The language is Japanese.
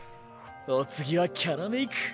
お次はキャラメイク。